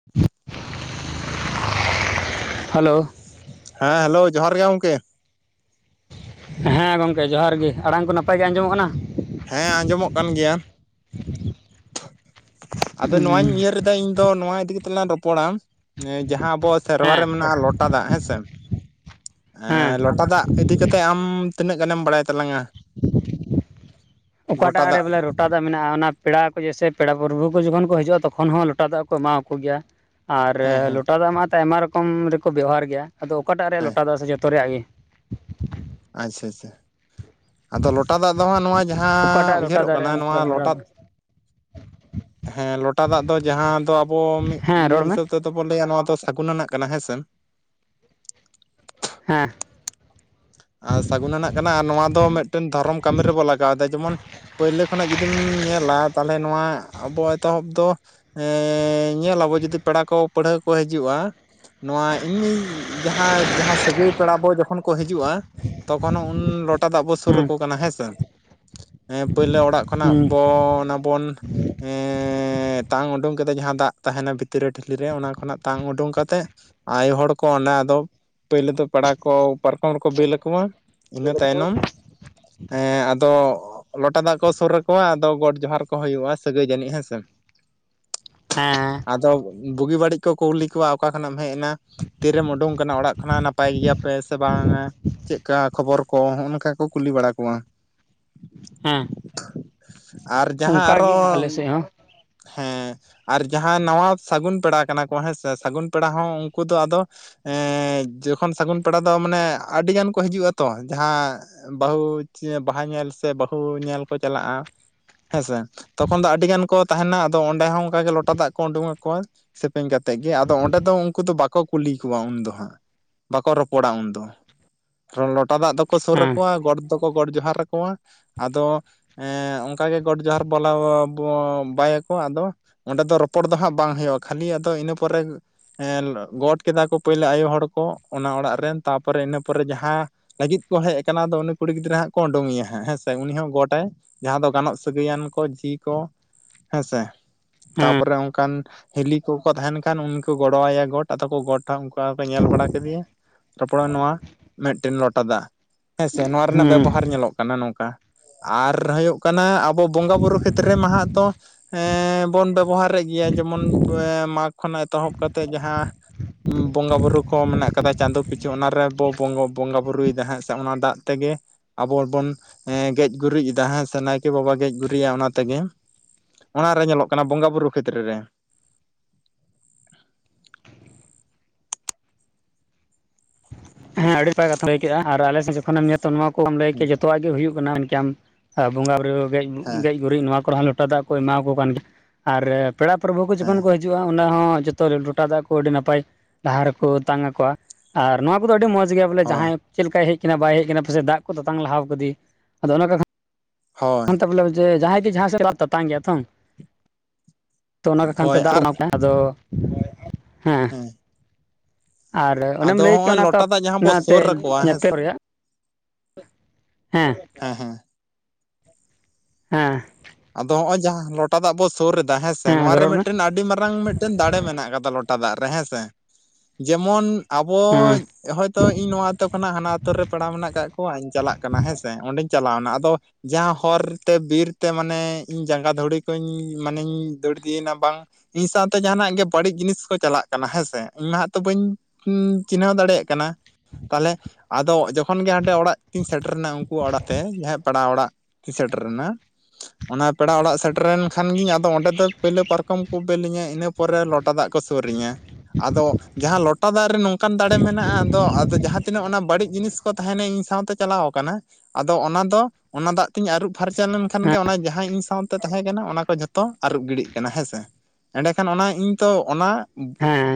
[inaudible] Hello ᱦᱮᱸ hello ᱡᱚᱦᱟᱨ ᱜᱮ ᱜᱚᱢᱠᱮ ᱦᱮᱸ ᱜᱚᱢᱠᱮ ᱡᱚᱦᱟᱨ ᱜᱮ ᱟᱲᱟᱝ ᱠᱚ ᱱᱟᱯᱟᱭ ᱜᱮ ᱟᱸᱡᱚᱢᱚᱜ ᱠᱟᱱᱟ᱾ ᱦᱮᱸ ᱟᱸᱡᱚᱢᱚᱜ ᱠᱟᱱ ᱜᱮᱭᱟ᱾ ᱟᱫᱚ ᱱᱚᱣᱟᱧ ᱩᱭᱦᱟᱹᱨ ᱞᱮᱫᱟ ᱤᱧ ᱫᱚ ᱱᱚᱣᱟ ᱤᱫᱤ ᱠᱟᱛᱮ ᱞᱝ ᱨᱚᱯᱚᱲᱟ᱾ ᱡᱟᱦᱟᱸ ᱟᱵᱚᱣᱟᱜ ᱥᱮᱨᱣᱟ ᱨᱮ ᱦᱮᱸ ᱢᱮᱱᱟᱜᱼᱟ ᱞᱚᱴᱟ ᱫᱟᱜ ᱦᱮᱸᱥᱮ᱾ ᱮᱸ ᱦᱮᱸ ᱞᱚᱴᱟ ᱫᱟᱜ ᱤᱫᱤ ᱠᱟᱛᱮᱜ ᱟᱢ ᱛᱤᱱᱟᱹᱜ ᱜᱟᱱᱮᱢ ᱵᱟᱲᱟᱭ ᱛᱟᱞᱟᱝᱟ᱾ ᱞᱚᱴᱟ ᱚᱠᱟᱴᱟᱜ ᱨᱮ ᱫᱟᱜ ᱵᱚᱞᱮ ᱨᱚᱴ ᱞᱚᱴᱟ ᱫᱟᱜ ᱢᱮᱱᱟᱜᱼᱟ ᱚᱱᱟ ᱯᱮᱲᱟ ᱠᱚ ᱡᱮᱭᱥᱮ ᱯᱮᱲᱟ ᱯᱨᱚᱵᱷᱩ ᱠᱚ ᱡᱚᱠᱷᱚᱱ ᱠᱚ ᱦᱤᱡᱩᱜᱼᱟ ᱛᱚᱠᱷᱚᱱ ᱦᱚᱸ ᱞᱚᱴᱟ ᱫᱟᱜ ᱠᱚ ᱮᱢᱟᱣᱟᱠᱚ ᱜᱮᱭᱟ᱾ ᱟᱨ ᱦᱮᱸ ᱦᱮᱸ ᱞᱚᱴᱟ ᱫᱟᱜ ᱢᱟᱛ ᱟᱭᱢᱟ ᱨᱚᱠᱚᱢ ᱨᱮᱠᱚ ᱵᱮᱣᱦᱟᱨ ᱜᱮᱭᱟ ᱟᱫᱚ ᱚᱠᱟᱴᱟᱜ ᱨᱮᱭᱟᱜ ᱦᱮᱸ ᱞᱚᱴᱟ ᱫᱟᱜ ᱥᱮ ᱡᱚᱛᱚ ᱨᱮᱭᱟᱜ ᱜᱮ᱾ ᱟᱪᱪᱷᱟ ᱟᱪᱪᱷᱟ ᱟᱫᱚ ᱞᱚᱴᱟ ᱫᱟᱜ ᱫᱚ ᱦᱟᱸᱜ ᱱᱚᱣᱟ ᱡᱟᱦᱟᱸ ᱚᱠᱟᱴᱟᱜ ᱞᱚᱴᱟ ᱩᱭᱦᱟᱹᱨᱚᱜ ᱫᱟᱜ ᱠᱟᱱᱟ ᱨᱮᱭᱟᱜ ᱮᱢ ᱱᱚᱣᱟ ᱜᱟᱞᱢᱟᱨᱟᱣ ᱞᱚᱴᱟᱵ ᱮᱫᱟ ᱦᱮᱸ ᱞᱚᱴᱟ ᱫᱟᱜ ᱫᱚ ᱡᱟᱦᱟᱸ ᱫᱚ ᱟᱵᱚ ᱢᱤᱫ ᱦᱮᱸ ᱨᱚᱲ ᱢᱤᱫ ᱢᱮ ᱦᱤᱥᱟᱹᱵ ᱛᱮᱫ ᱵᱚᱱ ᱞᱟᱹᱭᱟ ᱱᱚᱣᱟ ᱫᱚ ᱥᱟᱹᱜᱩᱱ ᱟᱱᱟᱜ ᱠᱟᱱᱟ ᱦᱮᱸᱥᱮ᱾ ᱦᱮᱸ ᱟᱨ ᱥᱟᱹᱜᱩᱱ ᱟᱱᱟᱜ ᱠᱟᱱᱟ ᱟᱨ ᱱᱚᱣᱟ ᱫᱚ ᱢᱤᱫᱴᱮᱱ ᱫᱷᱚᱨᱚᱢ ᱠᱟᱹᱢᱤ ᱨᱮᱵᱚᱱ ᱞᱟᱜᱟᱣ ᱮᱫᱟ ᱡᱮᱢᱚᱱ ᱯᱳᱭᱞᱳ ᱠᱷᱚᱱᱟᱜ ᱡᱩᱫᱤᱢ ᱧᱮᱞᱟ ᱛᱟᱦᱚᱞᱮ ᱱᱚᱣᱟ ᱟᱵᱚ ᱮᱛᱚᱦᱚᱵ ᱫᱚ ᱦᱮᱸ ᱧᱮᱞ ᱟᱵᱚ ᱡᱩᱫᱤ ᱯᱮᱲᱟ ᱠᱚ ᱯᱟᱹᱲᱦᱟᱹ ᱠᱚ ᱦᱤᱡᱩᱜᱼᱟ᱾ ᱱᱚᱣᱟ ᱮᱢᱱᱤ ᱡᱟᱦᱟᱸ ᱡᱟᱦᱟᱸ ᱥᱟᱹᱜᱟᱹᱭ ᱯᱮᱲᱟ ᱵᱚ ᱡᱚᱠᱷᱚᱱ ᱠᱚ ᱦᱤᱡᱩᱜᱼᱟ᱾ ᱛᱚᱠᱷᱚᱱ ᱦᱚᱸ ᱩᱱ ᱞᱚᱴᱟ ᱫᱟᱜ ᱵᱚᱱ ᱥᱩᱨ ᱟᱠᱚ ᱠᱟᱱᱟ ᱦᱮᱸ ᱥᱮ᱾ ᱦᱮᱸ ᱯᱳᱭᱞᱳ ᱚᱲᱟᱜ ᱠᱷᱚᱱᱟᱜ ᱦᱮᱸ ᱵᱚᱱ ᱚᱱᱟᱵᱚᱱ ᱮ ᱛᱟᱝ ᱩᱰᱩᱝ ᱠᱟᱛᱮ ᱡᱟᱦᱟᱸ ᱫᱟᱜ ᱛᱟᱦᱮᱱᱟ ᱵᱷᱤᱛᱨᱤ ᱨᱮ ᱴᱷᱤᱞᱤᱨ ᱨᱮ ᱚᱱᱟ ᱠᱷᱚᱱᱟᱜ ᱛᱟᱝ ᱩᱰᱩᱝ ᱠᱟᱛᱮᱜ ᱟᱭᱳ ᱦᱚᱲ ᱠᱚ ᱚᱱᱟ ᱟᱫᱚ ᱯᱳᱭᱞᱳ ᱫᱚ ᱯᱮᱲᱟ ᱠᱚ ᱯᱟᱨᱠᱚᱢ ᱨᱮᱠᱚ ᱵᱤᱞ ᱠᱚᱣᱟ ᱤᱱᱟᱹ ᱛᱟᱭᱱᱚᱢ ᱟᱫᱚ ᱞᱚᱴᱟ ᱫᱟᱜ ᱠᱚ ᱥᱩᱨ ᱟᱠᱚᱣᱟ ᱟᱫᱚ ᱜᱚᱰ ᱡᱚᱦᱟᱨ ᱠᱚ ᱦᱩᱭᱩᱜᱼᱟ ᱥᱟᱹᱜᱟᱹᱭ ᱡᱟᱹᱱᱤᱡ ᱦᱮᱸᱥᱮ᱾ ᱦᱮᱸ ᱾ ᱟᱫᱚ ᱵᱩᱜᱤ ᱵᱟᱹᱲᱤᱡ ᱠᱚ ᱠᱩᱞᱤ ᱠᱚᱣᱟ ᱚᱠᱟ ᱠᱷᱚᱱᱟᱜ ᱮᱢ ᱦᱮᱡ ᱮᱱᱟ ᱛᱤᱨᱮᱢ ᱩᱰᱩᱝ ᱟᱠᱟᱱᱟ ᱚᱲᱟᱜ ᱠᱷᱚᱱᱟᱜ ᱱᱟᱯᱟᱭ ᱜᱮᱭᱟ ᱯᱮ ᱥᱮ ᱵᱟᱝᱟ, ᱪᱮᱫᱠᱟ ᱠᱷᱚᱵᱚᱨ ᱦᱚᱸᱜᱼᱚ ᱱᱚᱝᱠᱟ ᱠᱚ ᱠᱩᱞᱤ ᱵᱟᱲᱟ ᱠᱚᱣᱟ ᱦᱮᱸ ᱾ ᱟᱨ ᱡᱟᱦᱟᱸ ᱚᱱᱠᱟᱜᱮ ᱟᱨᱚ ᱟᱞᱮ ᱥᱮᱫ ᱦᱚᱸ ᱦᱮᱸ ᱟᱨ ᱡᱟᱦᱟᱸᱭ ᱱᱟᱣᱟ ᱥᱟᱹᱜᱩᱱ ᱯᱮᱲᱟ ᱠᱟᱱᱟ ᱠᱚ ᱦᱮᱸᱥᱮ ᱥᱟᱹᱜᱩᱱ ᱯᱮᱲᱟ ᱦᱚᱸ ᱩᱱᱠᱩ ᱫᱚ ᱟᱫᱚ ᱮᱸ ᱡᱚᱠᱷᱚᱱ ᱥᱟᱹᱜᱩᱱ ᱯᱮᱲᱟ ᱫᱚ ᱢᱟᱱᱮ ᱟᱹᱰᱤ ᱜᱟᱱ ᱠᱚ ᱠᱚ ᱦᱤᱡᱩᱜᱼᱟ ᱛᱚ ᱡᱟᱦᱟᱸ ᱵᱟᱹᱦᱩ ᱵᱟᱦᱟ ᱧᱮᱞ ᱥᱮ ᱵᱟᱹᱦᱩ ᱧᱮᱞ ᱠᱚ ᱪᱟᱞᱟᱜᱼᱟ ᱦᱮᱸᱥᱮ ᱛᱚᱠᱷᱚᱱ ᱫᱚ ᱟᱹᱰᱤ ᱜᱟᱱ ᱠᱚ ᱛᱟᱦᱮᱱᱟ ᱟᱫᱚ ᱚᱸᱰᱮ ᱦᱚᱸ ᱚᱱᱠᱟ ᱜᱮ ᱞᱚᱴᱟ ᱫᱟᱜ ᱠᱚ ᱩᱰᱩᱝ ᱟᱠᱚᱣᱟ ᱥᱮᱯᱮᱧ ᱠᱟᱛᱮᱫ ᱜᱮ ᱟᱫᱚ ᱚᱸᱰᱮ ᱫᱚ ᱩᱱᱠᱩ ᱫᱚ ᱵᱟᱠᱚ ᱠᱩᱞᱤ ᱠᱚᱣᱟ ᱩᱱᱫᱚ ᱦᱟᱸᱜ ᱵᱟᱠᱚ ᱨᱚᱯᱚᱲᱟ ᱩᱱᱫᱚ, ᱞᱚᱴᱟ ᱫᱟᱜ ᱫᱚᱠᱚ ᱥᱩᱨ ᱦᱮᱸ ᱟᱠᱚᱣᱟ ᱜᱚᱰ ᱫᱚᱠᱚ ᱜᱚᱰ ᱡᱚᱦᱟᱨ ᱟᱠᱚᱣᱟ ᱟᱫᱚ ᱮᱸ ᱚᱝᱠᱟ ᱜᱮ ᱜᱚᱰ ᱡᱚᱦᱟᱨ ᱵᱚᱞᱚ ᱵᱚ ᱵᱟᱭᱟᱠᱚ ᱟᱫᱚ ᱚᱸᱰᱮ ᱫᱚ ᱨᱚᱯᱚᱲ ᱫᱚ ᱦᱟᱸᱜ ᱵᱟᱝ ᱦᱩᱭᱩᱜᱼᱟ ᱠᱷᱟᱹᱞᱤ ᱟᱫᱚ ᱤᱱᱟᱹ ᱯᱚᱨᱮ ᱮᱸᱞ ᱜᱚᱴ ᱠᱮᱫᱟ ᱠᱚ ᱯᱟᱹᱭᱞᱟᱹ ᱟᱭᱚ ᱦᱚᱲ ᱠᱚ ᱚᱱᱟ ᱚᱲᱟᱜ ᱨᱮᱱ ᱛᱟᱯᱚᱨᱮ ᱤᱱᱟᱹ ᱯᱚᱨᱮ ᱡᱟᱦᱟᱸ ᱞᱟᱹᱜᱤᱫ ᱠᱚ ᱦᱮᱡ ᱟᱠᱟᱱᱟ ᱟᱫᱚ ᱩᱱᱤ ᱠᱩᱲᱤ ᱜᱤᱫᱽᱨᱟᱹ ᱦᱟᱸᱜ ᱠᱚ ᱩᱰᱩᱝᱮᱭᱟ ᱦᱟᱸᱜ ᱦᱮᱸ ᱥᱮ ᱩᱱᱤ ᱦᱚᱸ ᱜᱚᱴᱟᱭ ᱡᱟᱦᱟᱸ ᱫᱚ ᱜᱟᱱᱚᱜ ᱥᱟᱹᱜᱟᱹᱭᱟᱱ ᱠᱚ ᱡᱷᱤ ᱠᱚ ᱦᱮᱸᱥᱮ ᱦᱮᱸ ᱛᱟᱯᱚᱨᱮ ᱚᱱᱠᱟᱱ ᱦᱤᱞᱤ ᱠᱚᱠᱚ ᱛᱟᱦᱮᱱ ᱠᱷᱟᱱ ᱩᱱᱤ ᱠᱚ ᱜᱚᱲᱚᱣᱟᱭᱟ ᱜᱚᱴ ᱟᱫᱚ ᱠᱚ ᱜᱚᱴᱟ ᱩᱱᱠᱟ ᱠᱚ ᱧᱮᱞ ᱵᱟᱲᱟ ᱠᱮᱫᱤᱭᱟ ᱨᱚᱯᱚᱲᱟ ᱱᱚᱣᱟ ᱢᱤᱫᱴᱮᱱ ᱞᱚᱴᱟ ᱫᱟᱜ ᱦᱮᱸᱥᱮ ᱱᱚᱣᱟ ᱨᱮᱱᱟᱜ ᱦᱮᱸ ᱵᱮᱵᱚᱦᱟᱨ ᱧᱮᱞᱚᱜ ᱠᱟᱱᱟ ᱱᱚᱝᱠᱟ ᱾ ᱟᱨ ᱦᱩᱭᱩᱜ ᱠᱟᱱᱟ ᱟᱵᱚ ᱵᱚᱸᱜᱟ ᱵᱩᱨᱩ ᱠᱷᱮᱛᱨᱮ ᱢᱟᱦᱟᱸᱜ ᱛᱚ ᱮᱸ ᱵᱚᱱ ᱵᱮᱵᱚᱦᱟᱨᱮᱫ ᱜᱮᱭᱟ ᱡᱮᱢᱚᱱ ᱯᱮ ᱢᱟᱜᱽ ᱠᱷᱚᱱᱟᱜ ᱮᱛᱚᱦᱚᱵ ᱠᱟᱛᱮᱫ ᱡᱟᱦᱟᱸ ᱩᱸ ᱵᱚᱸᱜᱟ ᱵᱩᱨᱩ ᱠᱚ ᱢᱮᱱᱟᱜ ᱟᱠᱟᱫᱟ ᱪᱟᱸᱫᱳ ᱯᱤᱪᱷᱟᱹ ᱚᱱᱟᱨᱮ ᱵᱚ ᱵᱚᱸᱜᱚ ᱵᱚᱸᱜᱟ ᱵᱩᱨᱩᱭᱮᱫᱟ ᱦᱟᱸᱜ ᱥᱮ ᱚᱱᱟ ᱫᱟᱜ ᱛᱮᱜᱮ ᱟᱵᱚ ᱵᱚᱱ ᱮᱸ ᱜᱮᱡ ᱜᱩᱨᱤᱡ ᱮᱫᱟ ᱦᱮᱸᱥᱮ ᱱᱟᱭᱠᱮ ᱵᱟᱵᱟ ᱜᱮᱡ ᱜᱩᱨᱤᱡᱟ ᱚᱱᱟ ᱛᱮᱜᱮ, ᱚᱱᱟᱨᱮ ᱧᱮᱞᱚᱜ ᱠᱟᱱᱟ ᱵᱚᱸᱜᱟ ᱵᱩᱨᱩ ᱠᱷᱮᱛᱨᱮ ᱨᱮ ᱾ ᱦᱮᱸ ᱟᱹᱰᱤ ᱱᱟᱯᱟᱭ ᱠᱟᱛᱷᱟᱢ ᱞᱟᱹᱭ ᱠᱮᱜᱼᱟ ᱟᱨ ᱟᱞᱮ ᱥᱮᱫ ᱡᱚᱠᱷᱚᱮᱢ ᱧᱮᱞᱟ ᱛᱚ ᱱᱚᱣᱟ ᱠᱚ ᱠᱚᱠᱚᱢ ᱞᱟᱹᱭ ᱠᱮᱫ ᱡᱚᱛ ᱡᱚᱛᱚᱣᱟᱜ ᱜᱮ ᱦᱩᱭᱩᱜ ᱠᱟᱱᱟ ᱢᱮᱱᱠᱮᱭᱟᱢ ᱟ ᱵᱚᱸᱜᱟ ᱵᱩᱨᱩ ᱜᱮᱡ ᱦᱮᱸ ᱜᱮᱡ ᱜᱩᱨᱤᱡ ᱱᱚᱣᱟ ᱠᱚᱨᱮ ᱦᱚᱸ ᱞᱚᱴᱟ ᱫᱟᱜ ᱠᱚ ᱮᱢᱟᱣ ᱠᱚ ᱠᱟᱱ ᱜᱮᱭᱟ ᱟᱨ ᱯᱮᱲᱟ ᱯᱨᱚᱵᱩ ᱠᱚ ᱦᱮᱸ ᱡᱚᱠᱷᱚᱱ ᱠᱚ ᱦᱤᱡᱩᱜ ᱦᱤᱡᱩᱜᱼᱟ ᱚᱱᱟ ᱦᱚᱸ ᱡᱚᱛᱚ ᱞᱚᱴᱟ ᱫᱟᱜ ᱠᱚ ᱟᱹᱰᱤ ᱱᱟᱯᱟᱭ ᱞᱟᱦᱟ ᱨᱮᱠᱚ ᱛᱟᱝ ᱟᱠᱚᱣᱟ ᱟᱨ ᱱᱚᱣᱟ ᱠᱚᱫᱚ ᱟᱹᱰᱤ ᱢᱚᱸᱡᱽ ᱜᱮᱭᱟ ᱵᱚᱞᱮ ᱦᱳᱭ ᱡᱟᱦᱟᱸᱭ ᱪᱮᱫ ᱞᱮᱠᱟᱭ ᱦᱮᱡ ᱠᱟᱱᱟ ᱵᱟᱭ ᱦᱮᱡ ᱠᱟᱱᱟ ᱯᱟᱥᱮᱜ ᱫᱟᱜ ᱠᱚ ᱛᱮᱛᱟᱝ ᱞᱟᱦᱟᱣ ᱠᱟᱹᱫᱮ ᱟᱫᱚ ᱚᱱᱟ ᱠᱟᱠᱷᱟ ᱦᱳᱭ ᱾ ᱵᱚᱞᱮ ᱡᱮ ᱡᱟᱦᱟᱸᱭ ᱜᱮ ᱡᱟᱦᱟᱸᱭ ᱥᱮᱫ ᱫᱟᱜ ᱛᱮᱛᱟᱝ ᱮᱭᱟ ᱛᱚ ᱛᱚ ᱚᱱᱟ ᱠᱟᱠᱷᱟᱱ ᱛᱮ ᱦᱳᱭ ᱫᱟᱜ ᱠᱚ ᱟᱨ ᱮᱢᱟ ᱠᱚᱣᱟ ᱟᱫᱚ ᱦᱮᱸ ᱟᱨ ᱚᱱᱮᱢ ᱟᱫᱚ ᱞᱟᱹᱭ ᱠᱮᱭᱟ ᱦᱚᱸᱜᱼᱚᱭ ᱚᱱᱟ ᱛᱚ ᱞᱚᱴᱟ ᱫᱟᱜ ᱡᱟᱦᱟᱸ ᱵᱚ ᱚᱱᱟᱛᱮ ᱥᱩᱨ ᱟᱠᱚᱣᱟ ᱦᱮᱸ ᱧᱮᱯᱮᱞ ᱨᱮᱭᱟᱜ ᱦᱮᱸ ᱾ ᱦᱮᱸ ᱦᱮᱸ ᱾ ᱦᱮᱸ ᱾ ᱟᱫᱚ ᱦᱚᱸᱜᱼᱚᱭ ᱡᱟᱦᱟᱸ ᱞᱚᱴᱟ ᱫᱟᱜ ᱵᱚ ᱥᱩᱨ ᱮᱫᱟ ᱦᱮᱸᱥᱮ ᱦᱮᱸ ᱱᱚᱣᱟ ᱟᱫᱚ ᱨᱮ ᱨᱚᱲ ᱢᱮ ᱢᱤᱫᱴᱮᱱ ᱟᱹᱰᱤ ᱢᱟᱨᱟᱝ ᱢᱤᱫᱴᱮᱱ ᱫᱟᱲᱮ ᱢᱮᱱᱟᱜ ᱟᱠᱟᱫᱟ ᱞᱚ ᱴᱟ ᱫᱟᱜ ᱨᱮ ᱦᱮᱸᱥᱮ ᱡᱮᱢᱚᱱ ᱟᱵᱚ ᱦᱮᱸ ᱦᱟᱭ ᱛᱚ ᱤᱧ ᱱᱚᱣᱟ ᱟᱹᱛᱩ ᱠᱷᱚᱱᱟᱜ ᱦᱟᱱᱟ ᱟᱹᱛᱩ ᱨᱮ ᱯᱮᱲᱟ ᱢᱮᱱᱟᱜ ᱟᱠᱟᱫ ᱠᱚᱣᱟ ᱤᱧ ᱪᱟᱞᱟᱜ ᱠᱟᱱᱟ ᱦᱮᱸᱥᱮ ᱚᱸᱰᱮᱧ ᱪᱟᱞᱟᱣ ᱱᱟ ᱟᱫᱚ ᱡᱟᱦᱟᱸ ᱦᱚᱨᱛᱮ ᱵᱤᱨ ᱛᱮ ᱢᱟᱱᱮ ᱤᱧ ᱡᱟᱸᱜᱟ ᱫᱷᱩᱲᱤ ᱠᱚᱧ ᱢᱟᱱᱮᱧ ᱫᱷᱩᱲᱤ ᱤᱫᱤᱭᱮᱱᱟ ᱵᱟᱝ ᱤᱧ ᱥᱟᱶᱛᱮ ᱡᱟᱦᱟᱱᱟᱜ ᱜᱮ ᱵᱟᱹᱲᱤᱡ ᱡᱤᱱᱤᱥ ᱠᱚ ᱪᱟᱞᱟᱜ ᱠᱟᱱᱟ ᱦᱮᱸᱥᱮ ᱤᱧ ᱢᱟᱦᱟᱸᱜ ᱛᱚ ᱵᱟᱹᱧ ᱪᱤᱱᱦᱟᱹᱣ ᱫᱟᱲᱮᱭᱟᱜ ᱠᱟᱱᱟ, ᱛᱟᱦᱚᱞᱮ ᱟᱫᱚ ᱡᱚᱠᱷᱚᱱ ᱜᱮ ᱦᱟᱸᱰᱮ ᱚᱲᱟᱜ ᱛᱤᱧ ᱥᱮᱴᱮᱨᱱᱟ ᱩᱝᱠᱩ ᱚᱲᱟᱜ ᱛᱮ ᱡᱟᱦᱟᱸ ᱯᱮᱲᱟ ᱚᱲᱟᱜ ᱛᱤᱧ ᱥᱮᱴᱮᱨᱮᱱᱟ ᱚᱱᱟ ᱯᱮᱲᱟ ᱚᱲᱟᱜ ᱥᱮᱴᱮᱨᱮᱱ ᱠᱷᱟᱱ ᱜᱤᱧ ᱟᱫᱚ ᱚᱸᱰᱮ ᱫᱚ ᱯᱟᱹᱭᱞᱟᱹ ᱯᱟᱨᱠᱚᱢ ᱠᱩ ᱵᱤᱞᱟᱹᱧᱟᱹ ᱤᱱᱟᱹ ᱯᱚᱨᱮ ᱞᱚᱴᱟ ᱫᱟᱜ ᱠᱚ ᱥᱩᱨᱟᱹᱧᱟ, ᱟᱫᱚ ᱡᱟᱦᱟᱸ ᱞᱚᱴᱟ ᱫᱟᱜ ᱨᱮ ᱱᱚᱝᱠᱟᱱ ᱫᱟᱲᱮ ᱢᱮᱱᱟᱜᱼᱟ, ᱟᱫᱚ ᱟᱫᱚ ᱡᱟᱦᱟᱸ ᱡᱟᱦᱟᱸ ᱛᱤᱱᱟᱹᱜ ᱚᱱᱟ ᱵᱟᱹᱲᱤᱡ ᱡᱤᱱᱤᱥ ᱠᱚ ᱛᱟᱦᱮᱱᱟ ᱤᱧ ᱥᱟᱶᱛᱮ ᱪᱟᱞᱟᱣ ᱟᱠᱟᱱᱟ ᱟᱫᱚ ᱚᱱᱟ ᱫᱚ ᱚᱱᱟ ᱫᱟᱜ ᱛᱤᱧ ᱟᱹᱨᱩᱵ ᱯᱷᱟᱨᱪᱟ ᱞᱮᱱ ᱠᱷᱟᱱ ᱦᱮᱸ ᱜᱮ ᱚᱱᱟ ᱡᱟᱦᱟᱸ ᱤᱧ ᱥᱟᱶᱛᱮ ᱛᱟᱦᱮᱸ ᱠᱟᱱᱟ ᱚᱱᱟ ᱠᱚ ᱡᱷᱚᱛᱚ ᱟᱹᱨᱩᱵ ᱜᱤᱰᱤᱜ ᱠᱟᱱᱟ ᱦᱮᱸ ᱥᱮ᱾ ᱮᱸᱰᱮᱠᱷᱟᱱ ᱚᱱᱟ ᱤᱧ ᱛᱚ ᱚᱱᱟ ᱦᱮᱸ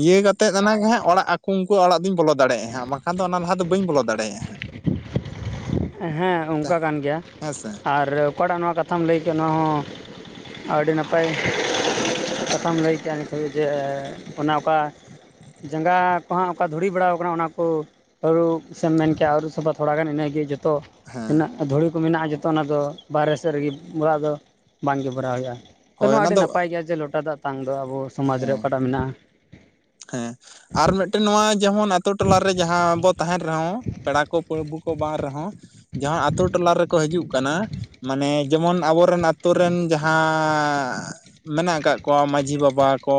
ᱤᱭᱟᱹ ᱠᱟᱛᱮᱫ ᱚᱱᱟᱜᱮ ᱦᱟᱸᱜ ᱚᱲᱟᱜ ᱟᱠᱚ ᱩᱱᱠᱩᱣᱟᱜ ᱚᱲᱟᱜ ᱫᱩᱧ ᱵᱚᱞᱚ ᱫᱟᱲᱮᱭᱟᱜᱼᱟ ᱦᱟᱸᱜ ᱵᱟᱠᱷᱟᱱ ᱫᱚ ᱚᱱᱟ ᱞᱟᱦᱟ ᱫᱚ ᱵᱟᱹᱧ ᱵᱚᱞᱚ ᱫᱟᱲᱮᱭᱟᱜᱼᱟ ᱦᱟᱸᱜ ᱾ [inaudible] ᱦᱮᱸ ᱚᱝᱠᱟ ᱠᱟᱱ ᱜᱮᱭᱟ ᱟᱨ ᱚᱠᱟᱴᱟᱜ ᱱᱚᱣᱟ ᱠᱟᱛᱷᱟᱢ ᱞᱟᱹᱭ ᱠᱮᱫᱼᱟ ᱱᱚᱣᱟ ᱦᱚᱸ ᱟᱹᱰᱤ ᱱᱟᱯᱟᱭ ᱠᱟᱛᱷᱟᱢ ᱞᱟᱹᱭ ᱠᱮᱫᱼᱟ ᱱᱤᱛᱚᱜ ᱜᱮ ᱡᱮ ᱚᱱᱟ ᱚᱠᱟ ᱡᱟᱸᱜᱟ ᱠᱚ ᱦᱟᱸᱜ ᱚᱠᱟ ᱫᱷᱩᱲᱤ ᱵᱟᱲᱟᱣ ᱠᱟᱱᱟ ᱚᱱᱟ ᱠᱩ ᱟᱹᱨᱩᱵ ᱥᱮᱢ ᱢᱮᱱ ᱠᱮᱫᱼᱟ ᱟᱹᱨᱩᱵ ᱥᱟᱯᱷᱟ ᱛᱷᱚᱲᱟ ᱜᱟᱱ ᱤᱱᱟᱹᱜᱮ ᱡᱚᱛᱚ ᱦᱮᱸ ᱛᱤᱱᱟᱹᱜ ᱫᱷᱩᱲᱤ ᱠᱚ ᱢᱮᱱᱟᱜᱼᱟ ᱡᱚᱛᱚ ᱚᱱᱟᱫᱚ ᱵᱟᱨᱦᱮ ᱥᱮᱫ ᱨᱮᱜᱮ ᱚᱲᱟᱜ ᱫᱚ ᱵᱟᱝᱜᱮ ᱵᱷᱚᱨᱟᱣ ᱦᱩᱭᱩᱜᱼᱟ᱾ ᱛᱚ ᱦᱳᱭ ᱱᱚᱣᱟ ᱚᱱᱟ ᱟᱹᱰᱤ ᱫᱚ ᱱᱟᱯᱟᱭ ᱜᱮᱭᱟ ᱡᱮ ᱞᱚᱴᱟ ᱫᱟᱜ ᱛᱟᱝ ᱫᱚ ᱟᱵᱚ ᱥᱚᱢᱟᱡᱽ ᱨᱮ ᱦᱮᱸ ᱚᱠᱟᱴᱟᱜ ᱢᱮᱱᱟᱜᱼᱟ ᱾ ᱦᱮᱸ ᱟᱨ ᱢᱤᱫᱴᱮᱱ ᱱᱚᱣᱟ ᱡᱮᱢᱚᱱ ᱟᱛᱳ ᱴᱚᱞᱞᱟ ᱨᱮ ᱡᱟᱦᱟᱸ ᱵᱚᱱ ᱛᱟᱦᱮᱱ ᱨᱮᱦᱚᱸ ᱯᱮᱲᱟ ᱠᱚ ᱯᱟᱹᱨᱟᱹᱵᱩ ᱠᱚ ᱵᱟᱝ ᱨᱮᱦᱚᱸ ᱡᱟᱦᱟᱸ ᱟᱛᱳ ᱴᱚᱞᱟ ᱨᱮᱠᱚ ᱦᱤᱡᱩᱜ ᱠᱟᱱᱟ ᱢᱟᱱᱮ ᱡᱮᱢᱚᱱ ᱟᱵᱚᱨᱮᱱ ᱟᱛᱳ ᱨᱮᱱ ᱡᱟᱦᱟᱸᱻ, ᱢᱮᱱᱟᱜ ᱟᱠᱟᱫ ᱠᱚᱣᱟ ᱢᱟᱹᱡᱷᱤ ᱵᱟᱵᱟ ᱠᱚ